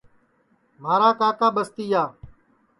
مھارا کاکا ٻستِیا